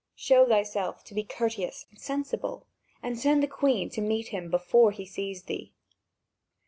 Show thyself to be courteous and sensible, and send the Queen to meet him before he sees thee.